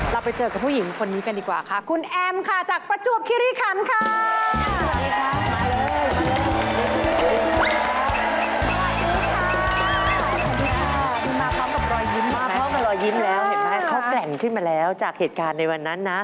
เราไปเจอกับผู้หญิงคนนี้กันดีกว่าค่ะคุณแอมค่ะจากประจวบคิริคันค่ะ